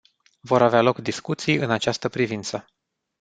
Vor avea loc discuții în această privință.